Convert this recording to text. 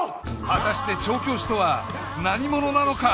果たして調教師とは何者なのか？